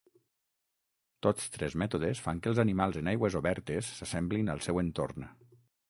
Tots tres mètodes fan que els animals en aigües obertes s'assemblin al seu entorn.